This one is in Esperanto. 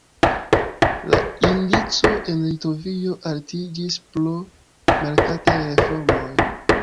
La indico en Litovio altiĝis pro merkataj reformoj.